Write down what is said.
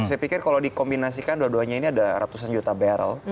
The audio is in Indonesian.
saya pikir kalau dikombinasikan dua duanya ini ada ratusan juta barrel